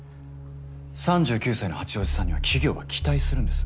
３９歳の八王子さんには企業は期待するんです。